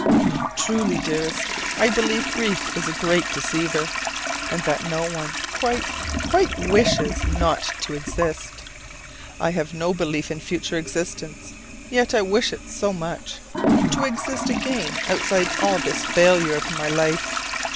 Truly, dearest, I believe grief is a great deceiver, and that no one quite quite wishes not to exist. I have no belief in future existence; yet I wish it so much to exist again outside all this failure of my life.